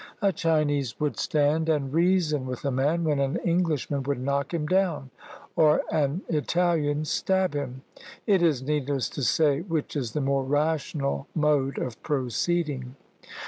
A Chinese would stand and reason with a man, when an Englishman would knock him down, or an Italian stab him. It is needless to say which is the more rational mode of proceeding."